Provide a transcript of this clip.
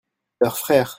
leur frère.